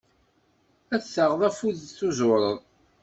Ad taɣeḍ afud tuẓureḍ.